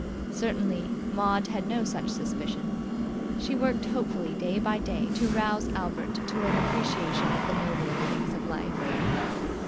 Certainly Maud had no such suspicion. She worked hopefully day by day to rouse Albert to an appreciation of the nobler things of life.